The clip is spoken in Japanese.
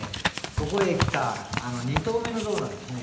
ここへ来た２頭目の象なんですね。